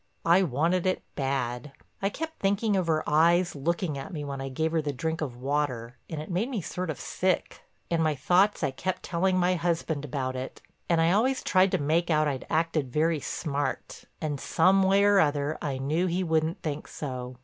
I wanted it bad. I kept thinking of her eyes looking at me when I gave her the drink of water and it made me sort of sick. In my thoughts I kept telling my husband about it, and I always tried to make out I'd acted very smart and some way or other I knew he wouldn't think so.